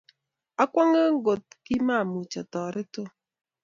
akwonge ngot kimwamuch atoret Tom